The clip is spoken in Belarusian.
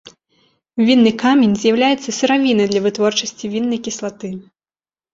Вінны камень з'яўляецца сыравінай для вытворчасці віннай кіслаты.